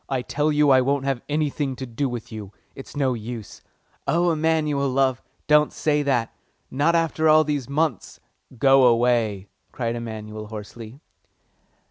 "I tell you I won't have anything to do with you. It's no use." "Oh no, Emanuel, love, don't say that; not after all these months?" "Go away!" cried Emanuel hoarsely.